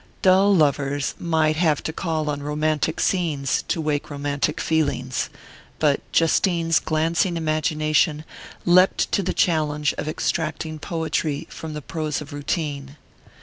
Dull lovers might have to call on romantic scenes to wake romantic feelings; but Justine's glancing imagination leapt to the challenge of extracting poetry from the prose of routine.